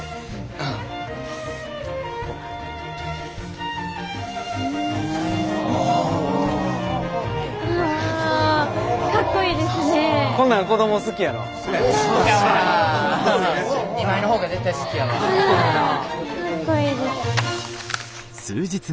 はいかっこいいです。